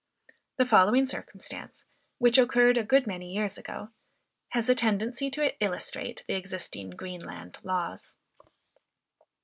The following circumstance, which occurred a good many years ago, has a tendency to illustrate the existing Greenland laws.